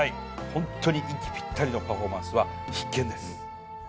ホントに息ぴったりのパフォーマンスは必見です。